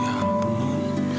ya ampun non